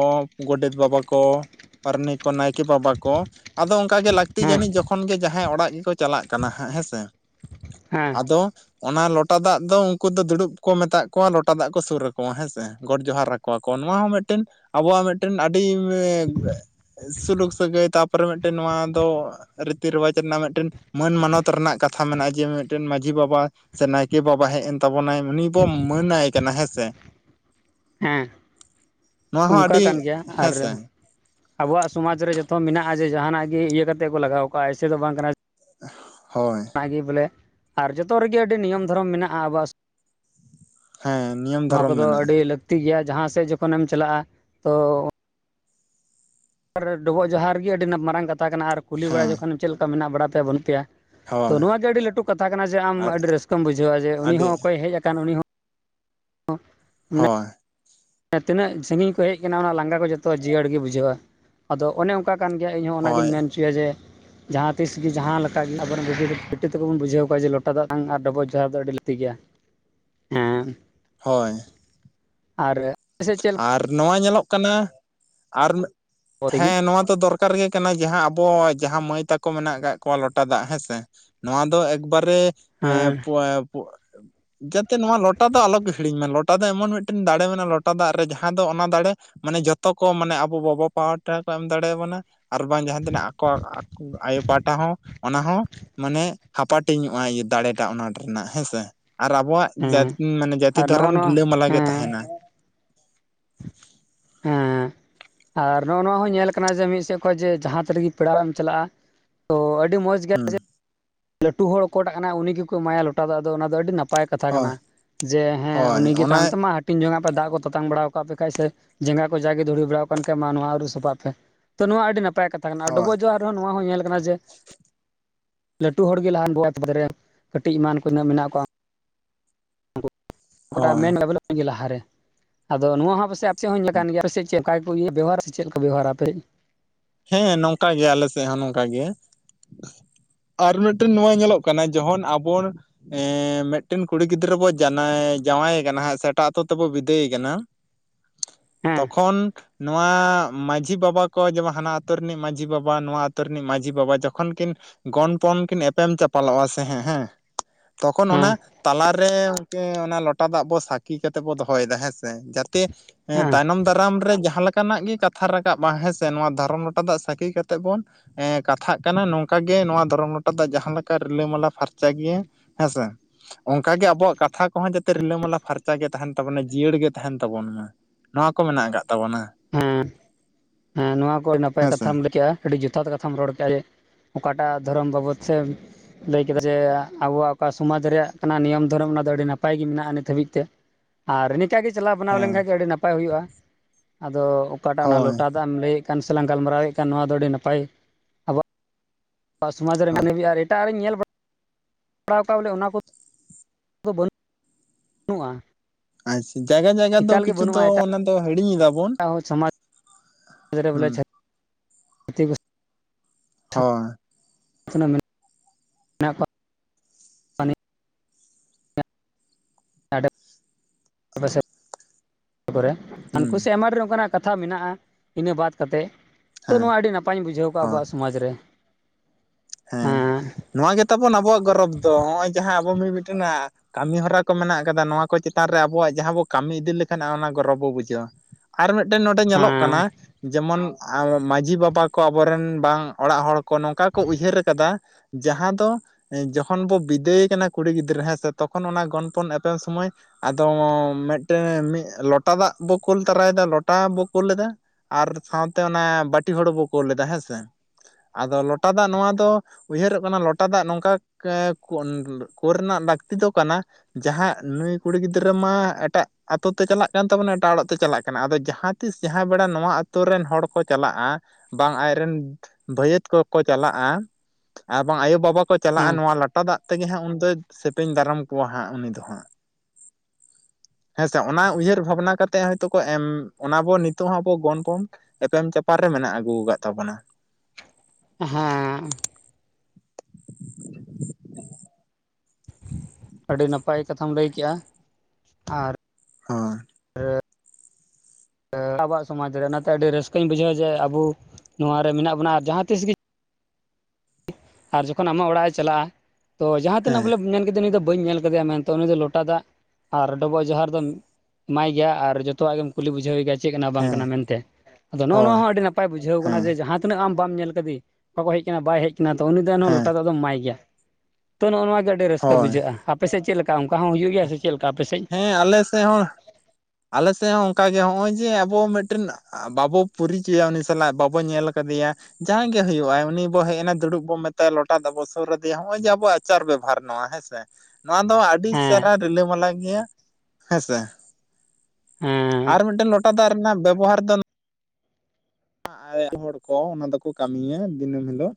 ᱜᱚᱰᱮᱛ ᱵᱟᱵᱟ ᱠᱚᱻ ᱾ ᱯᱟᱨᱱᱤ ᱠᱚ ᱱᱟᱭᱠᱮ ᱵᱟᱵᱟ ᱠᱚ ᱟᱫᱚ ᱚᱱᱠᱟ ᱜᱮ ᱞᱟᱹᱠᱛᱤ ᱦᱮᱸ ᱡᱟᱹᱱᱤᱡ ᱡᱚ ᱠᱷᱚᱱ ᱜᱮ ᱡᱟᱦᱟᱸᱭ ᱚᱲᱟᱜ ᱜᱮᱠᱚ ᱪᱟᱞᱟᱜ ᱠᱟᱱᱟ ᱦᱟᱸᱜ ᱦᱮᱸᱥᱮ ᱦᱮᱸ ᱟᱫᱚ ᱚᱱᱟ ᱞᱚᱴᱟ ᱫᱟᱜ ᱫᱚ ᱩᱱᱠᱩ ᱫᱚ ᱫᱩᱲᱩᱵ ᱠᱚ ᱢᱮᱛᱟᱜ ᱠᱚᱣᱟ ᱞᱚᱴᱟ ᱫᱟᱜ ᱠᱚ ᱥᱩᱨ ᱟᱠᱚᱣᱟ ᱦᱮᱸᱥᱮ ᱜᱚᱰ ᱡᱚᱦᱟᱨ ᱨᱟ ᱠᱚᱣᱟ ᱠᱚ ᱱᱚᱣᱟ ᱦᱚᱸ ᱢᱤᱫᱴᱮᱱ ᱟᱵᱚᱣᱟᱜ ᱢᱤᱫᱴᱮᱱ ᱟᱹᱰᱤᱻ, ᱥᱩᱞᱩᱠ ᱥᱟᱹᱜᱟᱹᱭ ᱛᱟᱯᱚᱨᱮ ᱢᱤᱫᱴᱮᱱ ᱱᱚᱣᱟ ᱫᱚ ᱨᱤᱛᱤ ᱨᱮᱣᱟᱡᱽ ᱨᱮᱱᱟᱜ ᱢᱤᱫᱴᱮᱱ ᱢᱟᱹᱱ ᱢᱟᱱᱚᱛ ᱨᱮᱱᱟᱜ ᱠᱟᱛᱷᱟ ᱢᱮᱱᱟᱜᱼᱟ ᱡᱮ ᱢᱤᱫᱴᱮᱱ ᱢᱟᱺᱡᱷᱤ ᱵᱟᱵᱟ ᱥᱮ ᱱᱟᱭᱠᱮ ᱵᱟᱵᱟ ᱦᱮᱡ ᱮᱱ ᱛᱟᱵᱚᱱᱟᱭ ᱩᱱᱤ ᱵᱚᱱ ᱢᱟᱹᱱ ᱟᱭ ᱠᱟᱱᱟ ᱦᱮᱸ ᱥᱮ᱾ ᱦᱮᱸ ᱱᱚᱣᱟ ᱦᱚᱸ ᱚᱱᱠᱟ ᱠᱟᱱ ᱟᱹᱰᱤ ᱜᱮᱭᱟ ᱟᱨ ᱦᱮᱸᱥᱮ ᱟᱵᱚᱣᱟᱜ ᱥᱚᱢᱟᱡᱽ ᱨᱮ ᱡᱚᱛᱚ ᱢᱮᱱᱟᱜᱼᱟ ᱡᱮ ᱡᱟᱦᱟᱱᱟᱜ ᱜᱮ ᱤᱭᱟᱹ ᱠᱟᱛᱮ ᱠᱚ ᱞᱟᱜᱟᱣ ᱠᱟᱜᱼᱟ ᱮᱭᱥᱮ ᱫᱚ ᱵᱟᱝ ᱠᱟᱱᱟ ᱦᱳᱭ, ᱚᱱᱟᱜᱮ ᱵᱚᱞᱮ ᱟᱨ ᱡᱚᱛᱚ ᱨᱮᱜᱮ ᱟᱹᱰᱤ ᱱᱤᱭᱚᱢ ᱫᱷᱚᱨᱚᱢ ᱢᱮᱱᱟᱜᱼᱟ ᱟᱵᱚᱣᱟᱜ ᱥᱚ ᱦᱮᱸ ᱱᱤᱭᱚᱢ ᱚᱱᱟ ᱫᱷᱚᱨᱚᱢ ᱠᱚᱫᱚ ᱢᱮᱱᱟᱜᱼᱟ ᱟᱹᱰᱤ ᱞᱟᱹᱠᱛᱤ ᱜᱮᱭᱟ ᱡᱟᱦᱟᱸ ᱥᱮᱫ ᱡᱚᱠᱷᱚᱱᱮᱢ ᱪᱟᱞᱟᱜᱼᱟ ᱛᱚ ᱟᱨ ᱰᱚᱵᱚᱜ ᱡᱚᱦᱟᱨ ᱜᱮ ᱟᱹᱰᱤ ᱢᱟᱨᱟᱝ ᱠᱟᱛᱷᱟ ᱠᱟᱱᱟ ᱟᱨ ᱠᱩᱞᱤ ᱵᱟᱲᱟ ᱦᱮᱸ ᱡᱚᱠᱷᱚᱱ ᱪᱮᱫ ᱞᱮᱠᱟ ᱢᱮᱱᱟᱜ ᱵᱟᱲᱟ ᱯᱮᱭᱟ ᱵᱟᱹᱱᱩᱜ ᱯᱮᱭᱟ ᱛᱚ ᱦᱳᱭ ᱱᱚᱣᱟ ᱜᱮ ᱟᱹᱰᱤ ᱞᱟᱹᱴᱩ ᱠᱟᱛᱷᱟ ᱠᱟᱱᱟ ᱡᱮ ᱟᱢ ᱟᱹᱰᱤ ᱨᱟᱹᱥᱠᱟᱹᱢ ᱵᱩᱡᱷᱟᱹᱣᱟ ᱡᱮ ᱩᱱᱤ ᱟᱹᱰᱤ ᱦᱚᱸ ᱚᱠᱚᱭᱮ ᱦᱮᱡ ᱟᱠᱟᱱ ᱩᱱᱤ ᱦᱚᱸ ᱦᱳᱭ, ᱦᱮ ᱛᱤᱱᱟᱹ ᱥᱟᱺᱜᱤᱧ ᱠᱷᱚᱭᱮᱦᱮᱡ ᱟᱠᱟᱱᱟ ᱚᱱᱟ ᱞᱟᱸᱜᱟ ᱠᱚ ᱡᱚᱛᱚ ᱡᱤᱭᱟᱹᱲ ᱜᱮ ᱵᱩᱡᱷᱟᱹᱟ᱾ ᱟᱫᱚ ᱚᱱᱮ ᱚᱱᱠᱟ ᱠᱟᱱ ᱜᱮᱭᱟ ᱤᱧᱦᱚᱸ ᱦᱳᱭ ᱚᱱᱟᱜᱤᱧ ᱢᱮᱱ ᱦᱚᱪᱚᱭᱟ ᱡᱮ ᱡᱟᱦᱟᱸ ᱛᱤᱥ ᱜᱮ ᱡᱟᱦᱟᱸ ᱞᱮᱠᱟ ᱟᱵᱚᱨᱮᱱ ᱵᱤᱴᱤ ᱛᱮᱠᱚᱵᱚᱱ ᱵᱩᱡᱷᱟᱹᱣ ᱠᱚᱣᱟ ᱡᱮ ᱞᱚᱴᱟ ᱫᱟᱜ ᱟᱨ ᱰᱚᱵᱚᱜ ᱡᱚᱦᱟᱨ ᱫᱚ ᱟᱹᱰᱤ ᱞᱟᱹᱠᱛᱤ ᱜᱮᱭᱟ ᱦᱮᱸ ᱦᱳᱭ, ᱟᱨ ᱟᱯᱮᱥᱮᱫ ᱪᱮᱫ? ᱟᱨ ᱱᱚᱚᱭ ᱧᱮᱞᱚᱜ ᱠᱟᱱᱟ ᱟᱨ ᱞᱮᱠᱟ ᱛᱮᱜᱮ ᱦᱮᱸ ᱱᱚᱣᱟ ᱫᱚ ᱫᱚᱨᱠᱟᱨ ᱚᱠᱟᱨ ᱜᱮ ᱠᱟᱱᱟ ᱡᱟᱦᱟᱸ ᱟᱵᱚ ᱡᱟᱦᱟᱸ ᱢᱟᱹᱭ ᱛᱟᱠᱚ ᱢᱮᱱᱟᱜ ᱠᱟᱜ ᱠᱚᱣᱟ ᱞᱚᱴᱟ ᱫᱟᱜ ᱦᱮᱸ ᱥᱮ ᱱᱚᱣᱟ ᱫᱚ ᱮᱠᱵᱟᱨᱮ ᱮᱸ ᱦᱮᱸ ᱯᱩᱭᱮ ᱡᱟᱛᱮ ᱱᱚᱣᱟ ᱞᱚᱴᱟ ᱫᱚ ᱟᱞᱚ ᱜᱮ ᱦᱤᱲᱤᱧ ᱢᱟ ᱞᱚᱴᱟ ᱫᱟᱜ ᱮᱢᱚᱱ ᱢᱤᱫᱴᱮᱱ ᱫᱟᱲᱮ ᱢᱮᱱᱟᱜᱼᱟ ᱞᱚ ᱴᱟ ᱫᱟᱜ ᱨᱮ ᱡᱟᱦᱟᱸ ᱫᱚ ᱚᱱᱟ ᱫᱟᱲᱮ ᱢᱟᱱᱮ ᱡᱚᱛᱚ ᱠᱚ ᱢᱟᱱᱮ ᱟᱵᱚ ᱵᱟᱵᱟ ᱯᱟᱦᱴᱟ ᱠᱚ ᱮᱢ ᱫᱟᱲᱮᱭᱟᱵᱚᱱᱟ, ᱟᱨ ᱵᱟᱝ ᱡᱟᱦᱟᱸ ᱛᱤᱱᱟᱹᱜ ᱟᱠᱚ ᱟᱭᱳ ᱯᱟᱦᱴᱟ ᱦᱚᱸ ᱚᱱᱟ ᱦᱚᱸ ᱢᱟᱱᱮ ᱦᱟᱯᱟᱴᱤᱧᱚᱜᱼᱟ ᱤᱭᱟᱹ ᱫᱟᱲᱮᱴᱟᱜ ᱚᱱᱟᱴ ᱨᱮᱱᱟᱜ, ᱦᱮᱸ ᱥᱮ? ᱟᱨ ᱟᱵᱚᱣᱟᱜ ᱦᱮᱸ ᱡᱟᱭ ᱢᱟᱱᱮ ᱡᱟᱛᱤ ᱟᱨ ᱱᱚᱜᱼᱚ ᱫᱷᱚᱨᱚᱢ ᱱᱚᱣᱟ ᱨᱤᱞᱟᱹᱢᱟᱞᱟ ᱜᱮ ᱦᱮᱸ ᱛᱟᱦᱮᱱᱟ᱾ ᱦᱮᱸ᱾ ᱟᱨ ᱱᱚᱼᱚ ᱱᱚᱣᱟ ᱦᱚᱸ ᱧᱮᱞ ᱟᱠᱟᱱᱟ ᱡᱮ ᱢᱤᱫ ᱥᱮᱫ ᱠᱷᱚᱡ ᱡᱮ ᱡᱟᱦᱟᱸ ᱛᱤ ᱨᱮᱜᱮ ᱯᱮᱲᱟ ᱚᱲᱟᱜ ᱮᱢ ᱪᱟᱞᱟᱜᱼᱟ ᱛᱚ ᱟᱹᱰᱤ ᱢᱚᱸᱡᱽ ᱦᱩᱸ [inaudible] ᱞᱟᱹᱴᱩ ᱦᱚᱲ ᱚᱠᱚᱭᱴᱟᱜ ᱠᱟᱱᱟᱭ ᱩᱱᱤ ᱜᱮᱠᱚ ᱮᱢᱟᱭᱟ ᱞᱚᱴᱟ ᱫᱚ ᱟᱫᱚ ᱚᱱᱟ ᱫᱚ ᱟᱹᱰᱤ ᱱᱟᱯ ᱯᱟᱭ ᱠᱟᱛᱷᱟ ᱦᱳᱭ ᱠᱟᱱᱟ ᱡᱮ ᱦᱮᱸ ᱦᱳᱭ ᱩᱱᱤ ᱜᱮ ᱚᱱᱟ ᱛᱟᱭᱚᱢ ᱛᱮᱢᱟ ᱴᱤᱧ ᱡᱚᱝᱟᱜ ᱯᱮ ᱫᱟᱜ ᱠᱚ ᱛᱮᱛᱟᱝ ᱵᱟᱲᱟᱣ ᱠᱟᱜ ᱯᱮ ᱠᱷᱟᱡ ᱥᱮ ᱡᱟᱸᱜᱟ ᱠᱚ ᱡᱟᱜᱮ ᱫᱷᱩᱲᱤ ᱵᱟᱲᱟᱣ ᱠᱟᱱ ᱠᱷᱟᱡ ᱢᱟ ᱱᱚᱣᱟ ᱟᱹᱨᱩᱵ ᱥᱟᱯᱟᱜ ᱯᱮ᱾ ᱛᱚ ᱱᱚᱣᱟ ᱟᱹᱰᱤ ᱱᱟᱯᱟᱭ ᱠᱟᱛᱷᱟ ᱠᱟᱱᱟ, ᱟᱨ ᱦᱳᱭ ᱰᱚᱵᱚᱜ ᱡᱚᱦᱟᱨ ᱨᱮᱦᱚᱸ ᱱᱚᱣᱟ ᱦᱚᱸ ᱧᱮᱞ ᱠᱟᱱᱟ ᱡᱮ ᱞᱟᱹᱴᱩ ᱦᱚᱲᱜᱮ ᱞᱟᱦᱟᱱ [inaudible] ᱠᱟᱹᱴᱤᱡ ᱮᱢᱟᱱ ᱠᱚ ᱩᱱᱟᱹᱜ ᱢᱮᱱᱟᱜ ᱠᱚᱣᱟ᱾ ᱚᱠᱚᱭ ᱴᱟᱜ ᱦᱳᱭ ᱢᱮᱱ ᱜᱮᱭᱟ ᱵᱚᱞᱮ ᱩᱱᱤ ᱜᱮ ᱞᱟᱦᱟᱨᱮ᱾ ᱟᱫᱚ ᱱᱚᱣᱟ ᱦᱚᱸ ᱟᱯᱮ ᱥᱮᱫ ᱟᱯᱮ ᱥᱮᱫ ᱦᱚᱸ ᱧᱮᱞ ᱠᱟᱱ ᱜᱮᱭᱟᱢ ᱟᱯᱮ ᱥᱮᱫ ᱪᱮᱫ ᱱᱚᱝᱠᱟᱱ ᱜᱮᱠᱚ ᱤᱭᱟᱹᱭᱟ ᱵᱮᱵᱚᱦᱟᱨᱟ ᱥᱮ ᱪᱮᱫ ᱞᱮᱠᱟ ᱵᱮᱵᱚᱦᱟᱨᱟ ᱟᱯᱮ? ᱦᱮᱸ, ᱱᱚᱝᱠᱟ ᱜᱮ ᱟᱞᱮ ᱥᱮᱫ ᱦᱚᱸ ᱱᱚᱝᱠᱟ ᱜᱮ᱾ ᱟᱨ ᱢᱤᱫᱴᱮᱱ ᱱᱚᱣᱟ ᱧᱮᱞᱚᱜ ᱠᱟᱱᱟ ᱡᱮᱦᱚᱱ ᱟᱵᱚᱱ ᱮᱸ ᱢᱤᱫᱴᱮᱱ ᱠᱩᱲᱤ ᱜᱤᱫᱽᱨᱟᱹ ᱵᱚᱱ ᱡᱟᱱᱟ ᱡᱟᱶᱟᱭᱮ ᱠᱟᱱᱟ ᱥᱮ ᱮᱴᱟᱜ ᱟᱛᱳ ᱛᱮᱵᱚ ᱵᱤᱫᱟᱹᱭᱮ ᱠᱟᱱᱟ, ᱦᱮᱸ ᱛᱚᱠᱷᱚᱱ ᱱᱚᱣᱟ ᱢᱟᱹᱡᱷᱤ ᱵᱟᱵᱟ ᱠᱚ ᱡᱮᱢᱚᱱ ᱦᱟᱱᱟ ᱟᱛᱳ ᱨᱤᱱᱤᱡ ᱢᱟᱺᱡᱷᱤ ᱵᱟᱵᱟ ᱱᱚᱣᱟ ᱟᱛᱳ ᱨᱤᱱᱤᱡ ᱢᱟᱺᱡᱷᱤ ᱵᱟᱵᱟ ᱡᱚᱠᱷᱚᱱ ᱠᱤᱱ ᱜᱚᱱᱯᱚᱱ ᱠᱤᱱ ᱮᱯᱮᱢ ᱪᱟᱯᱟᱞᱚᱜᱼᱟ ᱥᱮ ᱦᱮᱸ ᱦᱮᱸ ᱛᱚᱠᱷᱚᱱ ᱦᱮᱸ ᱚᱱᱟ ᱛᱟᱞᱟᱨᱮ ᱮᱸ ᱚᱱᱟ ᱞᱚᱴᱟ ᱫᱟᱜ ᱵᱚ ᱥᱟᱹᱠᱷᱤ ᱠᱟᱛᱮᱫ ᱵᱚ ᱫᱚᱦᱚᱭᱮᱫᱟ ᱦᱮᱸ ᱥᱮ, ᱡᱟᱛᱮ ᱮᱸ ᱦᱮᱸ ᱛᱟᱭᱱᱚᱢ ᱫᱟᱨᱟᱢ ᱨᱮ ᱡᱟᱦᱟᱸ ᱞᱮᱠᱟᱱᱟᱜ ᱜᱮ ᱠᱟᱛᱷᱟ ᱨᱟᱠᱟᱵᱼᱟ ᱦᱮᱸ ᱥᱮ ᱱᱚᱣᱟ ᱫᱷᱚᱨᱚᱢ ᱞᱚᱴᱟ ᱫᱟᱜ ᱥᱟᱹᱠᱷᱤ ᱠᱟᱛᱮᱜ ᱵᱚᱱ ᱮᱸ ᱠᱟᱛᱷᱟᱜ ᱠᱟᱱᱟ ᱱᱚᱝᱠᱟ ᱜᱮ ᱱᱚᱣᱟ ᱫᱷᱚᱨᱚᱢ ᱞᱚᱴᱟ ᱫᱚᱜ ᱡᱟᱦᱟᱸ ᱞᱮᱠᱟ ᱨᱤᱞᱟᱹᱢᱟᱞᱟ ᱯᱷᱟᱨᱪᱟ ᱜᱮᱭᱟ ᱦᱮᱸ ᱥᱮ? ᱚᱱᱠᱟ ᱜᱮ ᱟᱵᱚᱣᱟᱜ ᱠᱟᱛᱷᱟ ᱠᱚᱦᱚᱸ ᱡᱟᱛᱮ ᱨᱤᱞᱟᱹᱢᱟᱞᱟ ᱯᱷᱟᱨᱪᱟ ᱜᱮ ᱛᱟᱦᱮᱱ ᱛᱟᱵᱚᱱᱟ ᱡᱤᱭᱟᱹᱲ ᱜᱮ ᱛᱟᱦᱮᱱ ᱛᱟᱵᱚᱱ ᱢᱟ᱾ ᱱᱚᱣᱟ ᱠᱚ ᱢᱮᱱᱟᱜ ᱟᱠᱟᱫ ᱛᱟᱵᱚᱱᱟ᱾ ᱦᱮᱸ, ᱦᱮᱸ ᱱᱚᱶᱟ ᱠᱚ ᱟᱹᱰᱤ ᱱᱟᱯᱟᱭ ᱦᱮᱸᱥᱮ ᱠᱟᱛᱷᱟᱢ ᱞᱟᱹᱭ ᱠᱮᱜᱼᱟ ᱟᱹᱰᱤ ᱡᱚᱛᱷᱟᱛ ᱠᱟᱛᱷᱟᱢ ᱨᱚᱲ ᱠᱮᱜ-ᱟ ᱡᱮ ᱚᱠᱟᱴᱟᱜ ᱫᱷᱚᱨᱚᱢ ᱵᱟᱵᱚᱫ ᱥᱮ ᱞᱟᱹᱭ ᱠᱮᱫᱟ ᱡᱮ ᱟᱵᱚᱣᱟᱜ ᱚᱠᱟ ᱥᱚᱢᱟᱡᱽ ᱨᱮᱭᱟᱜ ᱠᱟᱱᱟ ᱱᱤᱭᱚᱢ ᱫᱷᱚᱨᱚᱢ ᱚᱱᱟ ᱫᱚ ᱟᱹᱰᱤ ᱱᱟᱯᱟᱭ ᱜᱮ ᱢᱮᱱᱟᱜᱼᱟ ᱱᱤᱛ ᱦᱟᱹᱵᱤᱡ ᱛᱮ᱾ ᱟᱨ ᱱᱤᱝᱠᱟᱹ ᱜᱮ ᱪᱟᱞᱟᱣ ᱵᱮᱱᱟᱣ ᱦᱮᱸ ᱞᱮᱱᱠᱷᱟᱡ ᱜᱮ ᱟᱹᱰᱤ ᱱᱟᱯᱟᱭ ᱦᱩᱭᱩᱜᱼᱟ᱾ ᱟᱫᱚ ᱚᱠᱟᱴᱟᱜ ᱚᱱᱟ ᱦᱳᱭ ᱞᱚᱴᱟ ᱫᱟᱜ ᱮᱢ ᱞᱟᱹᱭᱮᱫ ᱠᱟᱱ ᱥᱮ ᱞᱟᱝ ᱜᱟᱞᱢᱟᱨᱟᱣᱮᱫ ᱠᱟᱱ ᱱᱚᱣᱟ ᱫᱚ ᱟᱹᱰᱤ ᱱᱟᱯᱟᱭ ᱟᱵᱣᱟᱜ ᱥᱚᱢᱟᱡᱽ ᱨᱮ ᱦᱳᱭ [inaudible] ᱟᱨ ᱮᱴᱟᱜ ᱨᱤᱧ ᱧᱮᱞ ᱵᱟ ᱵᱟᱲᱟᱣ ᱠᱟᱜ ᱵᱚᱞᱮ ᱚᱱᱟ ᱠᱚ ᱫᱚ ᱵᱟᱹᱱᱩᱜ ᱱᱩᱜᱼᱟ᱾ ᱟᱪᱪᱷᱟ ᱡᱟᱭᱜᱟ ᱡᱟᱭᱜᱟ ᱫᱚ ᱠᱤᱪᱷᱩ ᱫᱚ ᱚᱱᱟ ᱫᱚ ᱦᱤᱲᱤᱧ ᱮᱫᱟᱵᱚᱱ᱾ ᱟᱵᱚ ᱥᱚᱢᱟᱡᱽ [inaudible] ᱨᱮ ᱵᱚᱞᱮ ᱦᱩᱸ [inaudible] ᱦᱳᱭ᱾ [inaudible] ᱢᱮᱱᱟᱜ ᱠᱚᱣᱟ [inaudible] ᱦᱩᱸ ᱦᱟᱱᱠᱩ ᱥᱮᱫ ᱟᱭᱢᱟ ᱨᱮ ᱱᱚᱝᱠᱟᱱᱟᱜ ᱠᱟᱛᱷᱟ ᱢᱮᱱᱟᱜᱼᱟ, ᱤᱱᱟᱹ ᱵᱟᱫ ᱠᱟᱛᱮᱫ, ᱛᱚ ᱦᱮᱸ ᱱᱚᱣᱟ ᱟᱹᱰᱤ ᱱᱟᱯᱟᱭᱤᱧ ᱵᱩᱡᱷᱟᱹᱣ ᱠᱟᱜᱼᱟ ᱦᱳᱭ ᱟᱵᱚᱣᱟᱜ ᱥᱚᱢᱟᱡᱽ ᱨᱮ᱾ ᱦᱮᱸ, ᱱᱚᱣᱟ ᱜᱮᱛᱟ ᱵᱚᱱ ᱟᱵᱚᱣᱟᱜ ᱜᱚᱨᱚᱵᱽ ᱫᱚ ᱦᱚᱸᱜᱼᱚᱭ ᱡᱟᱦᱟᱸ ᱟᱵᱚ ᱢᱤ ᱢᱤᱫᱴᱮᱱ ᱟᱸ ᱠᱟᱹᱢᱤᱦᱚᱨᱟ ᱠᱚ ᱢᱮᱱᱟᱜ ᱟᱠᱟᱫᱟ ᱱᱚᱣᱟ ᱠᱚ ᱪᱮᱛᱟᱱ ᱨᱮ ᱟᱵᱚᱣᱟᱜ ᱡᱟᱦᱟᱸ ᱵᱚ ᱠᱟᱹᱢᱤ ᱤᱫᱤ ᱞᱮᱠᱷᱟᱱ ᱚᱱᱟ ᱜᱚᱨᱚᱵᱽ ᱵᱚ ᱵᱩᱡᱷᱟᱹᱣᱟ᱾ ᱟᱨ ᱢᱤᱫᱴᱟᱝ ᱱᱚᱰᱮ ᱧᱮᱞᱚᱜ ᱠᱟᱱᱟ ᱦᱮᱸ ᱡᱮᱢᱚᱱ ᱟᱸ ᱢᱟᱺᱡᱷᱤ ᱵᱟᱵᱟ ᱠᱚ ᱟᱵᱚᱨᱮᱱ ᱵᱟᱝ ᱚᱲᱟᱜ ᱦᱚᱲ ᱠᱚ ᱱᱚᱝᱠᱟ ᱠᱚ ᱩᱭᱦᱟᱹᱨ ᱠᱟᱫᱟ ᱡᱟᱦᱟᱸ ᱫᱚ ᱮᱸ ᱡᱚᱠᱷᱚᱱ ᱵᱚ ᱵᱤᱫᱟᱹᱭᱮ ᱠᱟᱱᱟ ᱠᱩᱲᱤ ᱜᱤᱫᱽᱨᱟᱹ ᱦᱮᱸᱥᱮ ᱛᱚᱠᱷᱚᱱ ᱚᱱᱟ ᱜᱚᱱᱯᱚᱱ ᱮᱯᱮᱱ ᱥᱚᱢᱚᱭ ᱟᱫᱚ ᱢᱤᱫᱴᱮᱱ ᱢᱤᱛ ᱞᱚᱴᱟ ᱫᱟᱜ ᱵᱚ ᱠᱩᱞ ᱛᱚᱨᱟᱭ ᱮᱫᱟ ᱞᱚᱴᱟ ᱵᱚ ᱠᱩᱞ ᱮᱫᱟ ᱟᱨ ᱥᱟᱶ ᱛᱮ ᱚᱱᱟ ᱵᱟᱹᱴᱤ ᱦᱩᱲᱩ ᱵᱚ ᱠᱩᱞ ᱮᱫᱟ ᱦᱮᱸ ᱥᱮ ᱟᱫᱚ ᱞᱚᱴᱟ ᱫᱟᱜ ᱱᱚᱣᱟ ᱫᱚᱼᱼ ᱫᱚ ᱩᱭᱦᱟᱹᱨᱚᱜ ᱠᱟᱱᱟ ᱞᱚᱴᱟ ᱫᱟᱜ ᱱᱚᱝᱠᱟ ᱠᱚ ᱨᱮᱱᱟᱜ ᱞᱟᱹᱠᱛᱤ ᱫᱚ ᱠᱟᱱᱟ ᱡᱟᱦᱟᱸ ᱱᱩᱭ ᱠᱩᱲᱤ ᱜᱤᱫᱽᱨᱟᱹ ᱢᱟ ᱮᱴᱟᱜ ᱟᱛᱳ ᱛᱮ ᱪᱟᱞᱟᱜ ᱠᱟᱱ ᱛᱟᱵᱚᱱᱟ ᱮᱴᱟᱜ ᱚᱲᱟᱜ ᱛᱮ ᱪᱟᱞᱟᱜ ᱠᱟᱱᱟ ᱟᱫᱚ ᱡᱟᱦᱟᱸ ᱛᱤᱥ ᱡᱟᱦᱟᱸ ᱵᱮᱲᱟ ᱱᱚᱣᱟ ᱟᱛᱳ ᱨᱮᱱ ᱦᱚᱲ ᱠᱚ ᱪᱟᱞᱟᱜᱼᱟ ᱵᱟᱝ ᱟᱡ ᱨᱮᱱᱼᱼ ᱵᱷᱟᱹᱭᱟᱹᱛ ᱠᱚᱠᱚ ᱪᱟᱞᱟᱜᱼᱟ ᱟᱨ ᱵᱟᱝ ᱟᱭᱳ ᱵᱟᱵᱟ ᱠᱚ ᱪᱟᱞᱟᱜᱼᱟ ᱦᱮᱸ ᱱᱚᱣᱟᱼᱼ ᱞᱚᱴᱟ ᱫᱟᱜ ᱛᱮᱜᱮ ᱦᱟᱸᱜ ᱩᱱ ᱫᱚᱭ ᱥᱮᱯᱮᱧ ᱫᱟᱨᱟᱢ ᱠᱚᱣᱟ ᱦᱟᱸᱜ ᱩᱱᱤ ᱫᱚ ᱦᱟᱸᱜ ᱦᱮᱸᱥᱮ ᱚᱱᱟ ᱩᱭᱦᱟᱹᱨ ᱵᱷᱟᱵᱽᱱᱟ ᱠᱟᱛᱮᱫ ᱦᱚᱭᱛᱳ ᱠᱚ ᱮᱢ ᱚᱱᱟ ᱵᱚ ᱱᱤᱛᱚᱜ ᱦᱚᱸ ᱟᱵᱚ ᱜᱚᱱᱯᱚᱱ ᱮᱯᱮᱢ ᱪᱟᱯᱟᱞ ᱨᱮ ᱢᱮᱱᱟᱜ ᱟᱹᱜᱩ ᱟᱠᱟᱫ ᱛᱟᱵᱚᱱᱟ ᱦᱮᱸᱻ [inaudible] ᱟᱹᱰᱤ ᱱᱟᱯᱟᱭ ᱠᱟᱛᱷᱟᱢ ᱞᱟᱹᱭ ᱠᱮᱫᱼᱟ ᱟᱨ ᱦᱚᱸ ᱟᱵᱚᱣᱟᱜ ᱥᱚᱢᱟᱡᱽ ᱨᱮ ᱚᱱᱟ ᱛᱮ ᱟᱹᱰᱤ ᱨᱟᱹᱥᱠᱟᱹᱧ ᱵᱩᱡᱷᱟᱹᱣᱟ ᱡᱮ ᱟᱵᱚ ᱱᱚᱣᱟ ᱨᱮ ᱢᱮᱱᱟᱜ ᱵᱚᱱᱟ ᱟᱨ ᱡᱟᱦᱟᱸ ᱛᱤᱥ ᱜᱮᱼᱼ ᱟᱨ ᱡᱚᱠᱷᱚᱱ ᱟᱢᱟᱜ ᱚᱲᱟᱜ ᱮ ᱪᱟᱞᱟᱜᱼᱟ ᱛᱚ ᱡᱟᱦᱟᱸ ᱛᱤᱱᱟᱹᱜ ᱦᱮᱸ ᱵᱚᱞᱮ ᱢᱮᱱ ᱠᱮᱫᱮᱭᱟ ᱱᱩᱭ ᱫᱚ ᱵᱟᱹᱧ ᱧᱮᱞ ᱠᱟᱫᱮᱭᱟ ᱢᱮᱱ ᱛᱮ ᱩᱱᱤ ᱫᱚ ᱞᱚᱴᱟ ᱫᱟᱜ ᱟᱨ ᱰᱚᱵᱚᱜ ᱡᱚᱦᱟᱨ ᱫᱚ ᱮᱢᱟᱭ ᱜᱮᱭᱟ ᱟᱨ ᱡᱚᱛᱚᱣᱟᱜ ᱜᱮᱢ ᱠᱩᱞᱤ ᱵᱩᱡᱷᱟᱹᱣ ᱜᱮᱭᱟ ᱪᱮᱫ ᱠᱟᱱᱟ ᱵᱟᱝ ᱦᱮᱸ ᱠᱟᱱᱟ ᱢᱮᱱ ᱛᱮ ᱟᱫᱚ ᱱᱚᱜᱼᱚ ᱱᱚᱣᱟ ᱦᱳᱭ ᱦᱚᱸ ᱟᱹᱰᱤ ᱱᱟᱯᱟᱭ ᱵᱩᱡᱷᱟᱹᱣ ᱦᱮᱸ ᱠᱟᱱᱟ ᱡᱮ ᱡᱟᱸᱦᱟ [unintelligible] ᱟᱢ ᱵᱟᱢ ᱧᱮᱞ ᱠᱟᱫᱮ ᱚᱠᱚᱭ ᱠᱚ ᱦᱮᱡ ᱟᱠᱟᱱᱟ ᱵᱟᱭ ᱦᱮᱡ ᱠᱟᱱᱟ ᱛᱚ ᱩᱱᱤ ᱫᱚ ᱮᱱᱦᱚᱸ ᱦᱮᱸ ᱞᱚᱴᱟ ᱫᱟᱜ ᱫᱚᱢ ᱮᱢᱟᱭ ᱜᱮᱭᱟ ᱛᱚ ᱱᱚᱜᱼᱚ ᱱᱚᱣᱟ ᱜᱮ ᱟᱹᱰᱤ ᱨᱟᱹᱥᱠᱟᱹ ᱦᱳᱭ ᱵᱩᱡᱷᱟᱹᱜᱼᱟ ᱟᱯᱮ ᱥᱮᱫ ᱪᱮᱫ ᱞᱮᱠᱟ ᱚᱱᱠᱟ ᱦᱚᱸ ᱦᱩᱭᱩᱜ ᱜᱮᱭᱟ ᱥᱮ ᱪᱮᱫ ᱞᱮᱠᱟ ᱟᱯᱮ ᱥᱮᱫ ᱦᱮᱸ ᱟᱞᱮ ᱥᱮᱫ ᱦᱚᱸᱼᱼ ᱟᱞᱮ ᱥᱮᱫ ᱦᱚᱸ ᱚᱱᱠᱟᱜ ᱜᱮ ᱱᱚᱜᱼᱚᱭ ᱡᱮ ᱟᱵᱚ ᱢᱤᱫᱴᱮᱱ ᱵᱟᱵᱚ ᱯᱚᱨᱤᱪᱚᱭᱟ ᱩᱱᱤ ᱥᱟᱞᱟᱜ ᱵᱟᱵᱚ ᱧᱮᱞ ᱟᱠᱟᱫᱮᱭᱟ ᱡᱟᱦᱟᱸᱭ ᱜᱮ ᱦᱩᱭᱩᱜᱼᱟ ᱩᱱᱤ ᱵᱚ ᱦᱮᱡ ᱮᱱᱟ ᱫᱩᱲᱩᱵ ᱵᱚ ᱢᱮᱛᱟᱭᱟ ᱞᱚᱴᱟ ᱫᱟᱜ ᱵᱚ ᱥᱩᱨ ᱟᱫᱮᱭᱟ ᱱᱚᱜ ᱚᱭ ᱡᱮ ᱟᱵᱚᱣᱟᱜ ᱟᱪᱟᱨ ᱵᱮᱵᱟᱨ ᱱᱚᱣᱟ ᱦᱮᱸᱥᱮ ᱱᱚᱣᱟ ᱫᱚ ᱟᱹᱰᱤ ᱦᱮᱸ ᱪᱮᱨᱦᱟ ᱨᱤᱞᱟᱹ ᱢᱟᱞᱟ ᱜᱮᱼᱼ ᱱᱤᱭᱟ ᱦᱮᱸᱥᱮ ᱦᱮᱸ ᱟᱨ ᱢᱤᱫᱴᱮᱱ ᱞᱚᱴᱟ ᱫᱟᱜ ᱨᱮᱱᱟᱜ ᱵᱮᱵᱚᱦᱟᱨ ᱫᱚᱼᱼ [unintelligible] ᱦᱚᱲ ᱠᱚ ᱚᱱᱟ ᱫᱚᱠᱚ ᱠᱟᱹᱢᱤᱭᱟ ᱫᱤᱱᱟᱹᱢ ᱦᱤᱞᱳᱜᱼᱼ